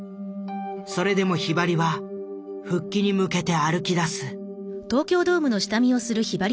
それでもひばりは復帰に向けて歩きだす。